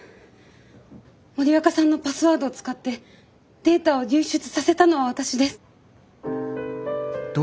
森若さんのパスワードを使ってデータを流出させたのは私です。